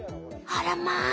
あらま！